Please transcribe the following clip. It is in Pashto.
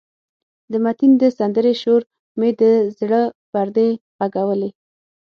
د متین د سندرې شور مې د زړه پردې غږولې.